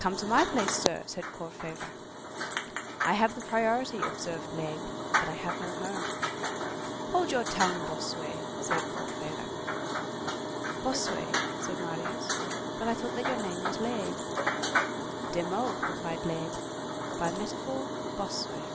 "Come to my place, sir," said Courfeyrac. "I have the priority," observed Laigle, "but I have no home." "Hold your tongue, Bossuet," said Courfeyrac. "Bossuet," said Marius, "but I thought that your name was Laigle." "De Meaux," replied Laigle; "by metaphor, Bossuet."